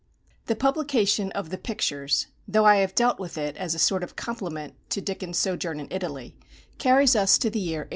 The publication of the "Pictures," though I have dealt with it as a sort of complement to Dickens' sojourn in Italy, carries us to the year 1846.